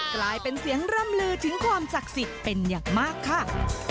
กลายเป็นเสียงร่ำลือถึงความศักดิ์สิทธิ์เป็นอย่างมากค่ะ